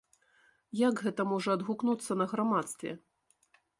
Як гэта можа адгукнуцца на грамадстве?